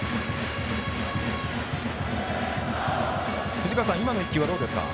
藤川さん、今の１球はいかがですか？